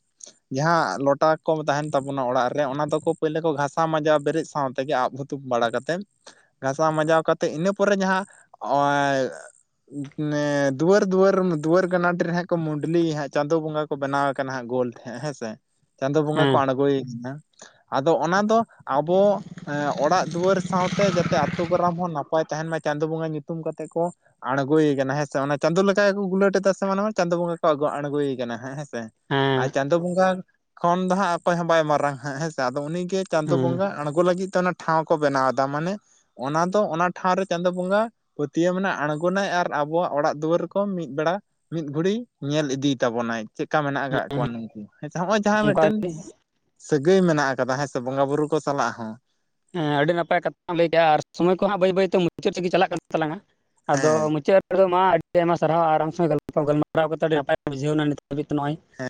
ᱡᱟᱦᱟᱸ ᱞᱚᱴᱟ ᱠᱚ ᱛᱟᱦᱮᱱ ᱛᱟᱵᱚᱱᱟ ᱚᱲᱟᱜ ᱨᱮ ᱚᱱᱟ ᱫᱚᱠᱚ ᱯᱟᱹᱭᱞᱟᱹ ᱠᱚ ᱜᱷᱟᱥᱟ ᱢᱟᱡᱟᱣ ᱵᱮᱨᱮᱫ ᱥᱟᱶ ᱛᱮᱜᱮ ᱟᱵᱚ ᱛᱩᱛ ᱵᱟᱲᱟ ᱠᱟᱛᱮᱫ ᱜᱷᱟᱥᱟᱣ ᱢᱟᱡᱟᱣ ᱠᱟᱛᱮᱜ ᱤᱱᱟᱹ ᱯᱚᱨᱮ ᱡᱟᱦᱟᱸ [unintelligible] ᱱᱮ ᱫᱩᱣᱟᱹᱨ ᱫᱩᱣᱟᱹᱨᱼᱼ ᱫᱩᱣᱟᱹᱨ ᱜᱟᱱᱟᱰᱮ ᱨᱮ ᱦᱟᱸᱜ ᱠᱚ ᱢᱩᱰᱞᱤ ᱦᱟᱸᱜ ᱪᱟᱸᱫᱳ ᱵᱚᱸᱜᱟ ᱠᱚ ᱵᱮᱱᱟᱣ ᱠᱟᱱᱟ ᱦᱟᱸᱜ ᱜᱳᱞ ᱛᱮ ᱦᱟᱸᱜ ᱦᱮᱸ ᱥᱮ ᱪᱟᱸᱫᱳ ᱵᱚᱸᱜᱟ ᱠᱚ ᱦᱮᱸ ᱟᱬᱜᱚᱭᱮ ᱠᱟᱱᱟ ᱟᱫᱚ ᱚᱱᱟ ᱫᱚ ᱟᱵᱚᱼᱼ ᱮᱸ ᱚᱲᱟᱜ ᱫᱩᱣᱟᱹᱨ ᱥᱟᱶᱛᱮ ᱡᱟᱛᱮ ᱟᱛᱳ ᱜᱨᱟᱢ ᱦᱚᱸ ᱱᱟᱯᱟᱭ ᱛᱟᱦᱮᱱ ᱢᱟ ᱪᱟᱸᱫᱳ ᱵᱚᱸᱜᱟ ᱧᱩᱛᱩᱢ ᱠᱟᱛᱮᱜ ᱠᱚ ᱟᱬᱜᱳᱭᱮ ᱠᱟᱱᱟ ᱦᱮᱸᱥᱮ ᱚᱱᱟ ᱪᱟᱸᱫᱳ ᱞᱮᱠᱟ ᱜᱮᱠᱚ ᱜᱩᱞᱟᱹᱴ [unintelligible] ᱢᱟᱱᱮ ᱪᱟᱸᱫᱳ ᱵᱚᱸᱜᱟ ᱠᱚ ᱟᱹᱜᱩ ᱟᱬᱜᱩᱭᱮ ᱠᱟᱱᱟ ᱦᱮᱸ ᱦᱮᱸ ᱥᱮ ᱦᱮᱸ ᱟᱨ ᱪᱟᱸᱫᱳ ᱵᱚᱸᱜᱟ ᱠᱷᱚᱱ ᱫᱚ ᱦᱟᱸᱜ ᱚᱠᱚᱭ ᱦᱚᱸ ᱵᱟᱭ ᱢᱟᱨᱟᱝ ᱦᱟᱸᱜ ᱦᱮᱸᱥᱮ ᱟᱫᱚ ᱩᱱᱤ ᱜᱮ ᱪᱟᱸᱫᱳ ᱵᱚᱸᱜᱟ ᱦᱮᱸ ᱟᱬᱜᱚ ᱞᱟᱹᱜᱤᱫ ᱛᱮ ᱚᱱᱟ ᱴᱷᱟᱶ ᱠᱚ ᱵᱮᱱᱟᱣ ᱫᱟ ᱢᱟᱱᱮ ᱚᱱᱟ ᱫᱚ ᱚᱱᱟ ᱴᱷᱟᱶ ᱨᱮ ᱪᱟᱸᱫᱳ ᱵᱚᱸᱜᱟᱼᱼ ᱯᱟᱹᱛᱤᱭᱟᱹᱣ ᱢᱮᱱᱟᱜᱼᱟ ᱟᱬᱜᱚᱱᱟᱭ ᱟᱨ ᱟᱵᱚᱣᱟᱜ ᱚᱲᱟᱜ ᱫᱩᱣᱟᱹᱨ ᱠᱚ ᱢᱤᱫ ᱵᱮᱲᱟ ᱢᱤᱫ ᱜᱷᱩᱲᱤ ᱧᱮᱞ ᱤᱫᱤ ᱛᱟᱵᱚᱱᱟᱭ ᱪᱮᱜᱠᱟ ᱢᱮᱱᱟᱜ ᱠᱟᱜ ᱠᱚᱣᱟ ᱱᱩᱠᱩ ᱦᱮᱸᱥᱮ ᱦᱚᱜᱼᱚᱭ ᱡᱟᱦᱟᱸ ᱚᱱᱠᱟ ᱢᱮᱜᱴᱮᱱ ᱥᱟᱹᱜᱟᱹᱭ ᱢᱮᱱᱟᱜ ᱟᱠᱟᱫᱟ ᱦᱮᱸ ᱥᱮ ᱵᱚᱸᱜᱟ ᱵᱩᱨᱩ ᱠᱚ ᱥᱟᱞᱟᱜ ᱦᱚᱸ ᱦᱮᱸ ᱟᱹᱰᱤ ᱱᱟᱯᱟᱭ ᱠᱟᱛᱷᱟᱢ ᱞᱟᱹᱭ ᱠᱮᱜᱼᱟ ᱟᱨ ᱥᱚᱢᱚᱭ ᱠᱚ ᱦᱟᱸᱜ ᱵᱟᱹᱭ ᱵᱟᱹᱭᱛᱮ ᱢᱩᱪᱟᱹᱫ ᱥᱮᱜ ᱜᱮ ᱪᱟᱞᱟᱜ ᱠᱟᱱ ᱛᱟᱞᱟᱝᱼᱟ ᱟᱫᱚ ᱦᱮᱸ ᱢᱩᱪᱟᱹᱫᱼᱼ ᱢᱩᱪᱟᱹᱫ ᱨᱮ ᱢᱟ ᱟᱹᱰᱤ ᱟᱭᱢᱟ ᱥᱟᱨᱦᱟᱣ ᱟᱨ ᱟᱢ ᱥᱟᱶᱜᱟᱞᱯᱚ ᱜᱟᱞᱢᱟᱨᱟᱣ ᱠᱟᱛᱮ ᱟᱹᱰᱤ ᱱᱟᱯᱟᱭ ᱧᱚᱜ ᱵᱩᱡᱷᱟᱹᱣ ᱱᱟ ᱱᱤᱛ ᱦᱟᱹᱵᱤᱡ ᱛᱮ ᱱᱚᱜᱼᱚᱭ